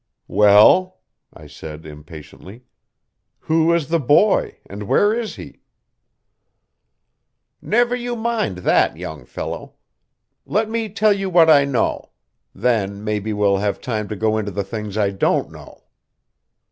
"Well?" I said impatiently. "Who is the boy, and where is he?" "Never you mind that, young fellow. Let me tell you what I know. Then maybe we'll have time to go into the things I don't know."